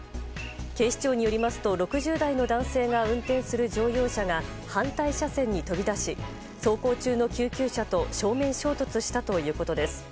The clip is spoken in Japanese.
警視庁によりますと６０代の男性が運転する乗用車が反対車線に飛び出し走行中の救急車と正面衝突したということです。